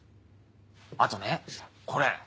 あとねこれ。